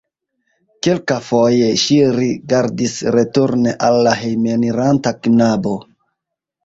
Kelkafoje ŝi rigardis returne al la hejmeniranta knabo.